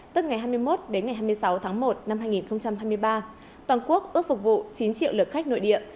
tức ngày hai mươi một đến ngày hai mươi sáu tháng một năm hai nghìn hai mươi ba toàn quốc ước phục vụ chín triệu lượt khách nội địa